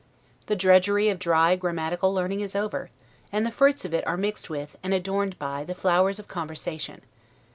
The drudgery of dry grammatical learning is over, and the fruits of it are mixed with, and adorned by, the flowers of conversation.